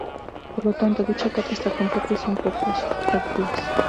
Por lo tanto, dicha capa está completa y son poco reactivos.